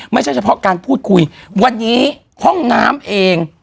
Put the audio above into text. ไม่ใช่เฉพาะการพูดคุยวันนี้ห้องน้ำเอง